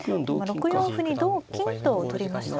今６四歩に同金と取りましたね。